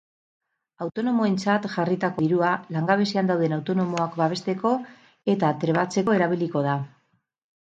Autonomoentzat jarritako dirua langabezian dauden autonomoak babesteko eta trebatzeko erabiliko da.